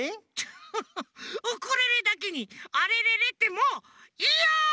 フフッウクレレだけにアレレレってもういいよ！